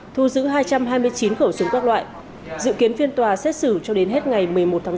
thu giữ hai trăm hai mươi chín khẩu súng các loại dự kiến phiên tòa xét xử cho đến hết ngày một mươi một tháng tám